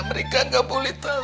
mereka nggak boleh tahu